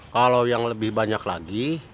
kalau yang lebih banyak lagi